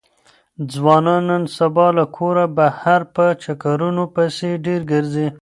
ځوانان نن سبا له کوره بهر په چکرونو پسې ډېر ګرځي.